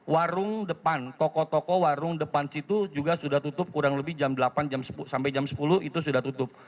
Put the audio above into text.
warung depan toko toko warung depan situ juga sudah tutup kurang lebih jam delapan sampai jam sepuluh itu sudah tutup